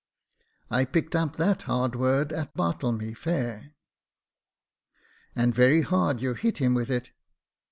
I picked up that hard word at Bartlemy fair." And very hard you hit him with it."